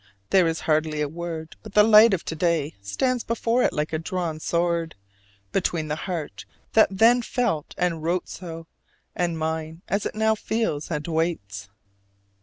There is hardly a word but the light of to day stands before it like a drawn sword, between the heart that then felt and wrote so, and mine as it now feels and waits.